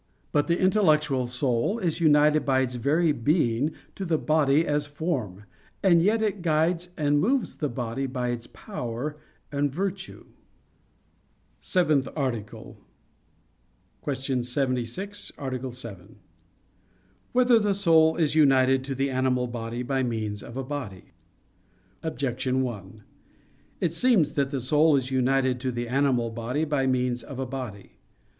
But the intellectual soul is united by its very being to the body as a form; and yet it guides and moves the body by its power and virtue. _______________________ SEVENTH ARTICLE [I, Q. 76, Art. 7] Whether the Soul Is United to the Animal Body by Means of a Body? Objection 1: It seems that the soul is united to the animal body by means of a body.